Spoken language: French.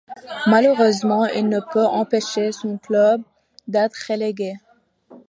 Malheureusement il ne peut empêcher son club d'être relégué.